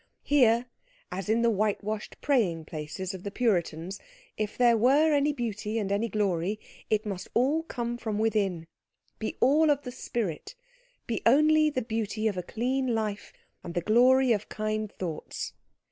Here, as in the whitewashed praying places of the Puritans, if there were any beauty and any glory it must all come from within, be all of the spirit, be only the beauty of a clean life and the glory of kind thoughts.